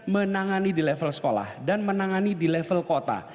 menangani di level sekolah dan menangani di level kota